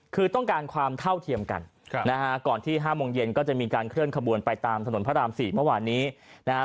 คือต้องการความเท่าเทียมกันนะฮะก่อนที่๕โมงเย็นก็จะมีการเคลื่อนขบวนไปตามถนนพระราม๔เมื่อวานนี้นะฮะ